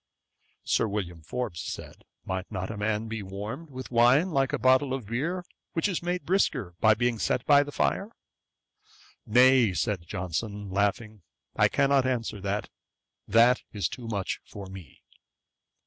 Sir William Forbes said, 'Might not a man warmed with wine be like a bottle of beer, which is made brisker by being set before the fire?' 'Nay, (said Johnson, laughing,) I cannot answer that: that is too much for me.'